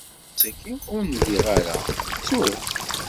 Aseggas-agi ur ndiɣ ara. Ttuɣ.